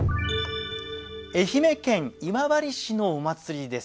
愛媛県今治市のお祭りです。